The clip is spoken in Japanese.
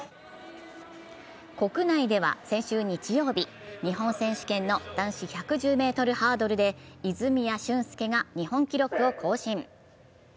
国内では先週日曜日、日本選手権の男子１１０ｍハードルで泉谷駿介が日本記録を更新。